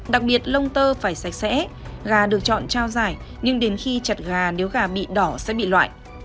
đặc biệt lông tơ phải sạch sẽ gà được chọn trao giải nhưng đến khi chặt gà nếu gà bị đỏ sẽ bị loại